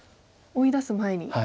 追い出す前に。